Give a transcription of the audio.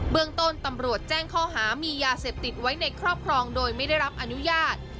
เมืองต้นตำรวจแจ้งข้อหามียาเสพติดไว้ในครอบครองโดยไม่ได้รับอนุญาต